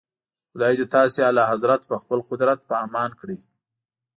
خدای دې تاسي اعلیحضرت په خپل قدرت په امان کړي.